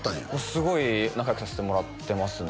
すごい仲良くさせてもらってますね